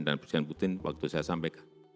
dan presiden putin waktu saya sampaikan